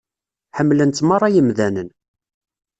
Ḥemmlen-tt meṛṛa yemdanen.